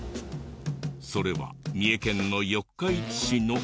それは三重県の四日市市の。